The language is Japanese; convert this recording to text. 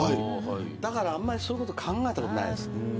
だからあんまりそういうことを考えたことがないですね。